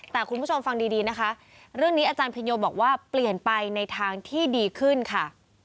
แต่คุณผู้ชมฟังดีนะคะเรื่องนี้อาจารย์พินโยบอกว่าเปลี่ยนไปในทางที่ดีขึ้นค่ะ